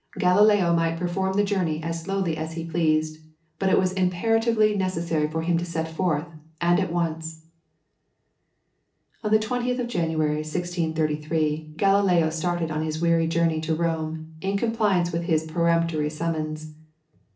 Galileo might perform the journey as slowly as he pleased, but it was imperatively necessary for him to set forth and at once. On 20th January, 1633, Galileo started on his weary journey to Rome, in compliance with this peremptory summons.